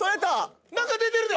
何か出てるで。